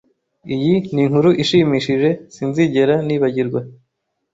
Iyi ni inkuru ishimishije sinzigera nibagirwa.